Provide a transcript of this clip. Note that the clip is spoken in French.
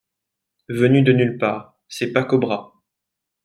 Venu de nulle part, c'est pas Cobra.